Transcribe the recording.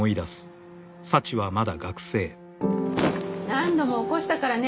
何度も起こしたからね